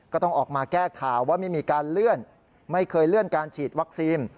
ก็ต้องออกมาแก้ข่าวว่าไม่มีการเลื่อนไม่เคยเลื่อนการฉีดวัคซีน